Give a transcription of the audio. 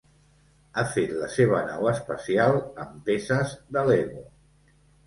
Ha fet la seva nau espacial amb peces de Lego.